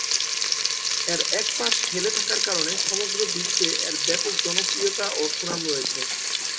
এর এক পাশ হেলে থাকার কারণে সমগ্র বিশ্বে এর ব্যাপক জনপ্রিয়তা ও সুনাম রয়েছে।